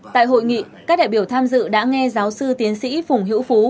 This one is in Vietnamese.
tại hội nghị các đại biểu tham dự đã nghe giáo sư tiến sĩ phùng hữu phú